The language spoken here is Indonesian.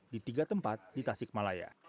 di tiga tempat di tasikmalaya